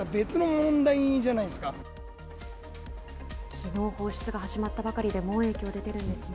きのう放出が始まったばかりで、もう影響出てるんですね。